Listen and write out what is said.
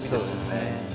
そうですね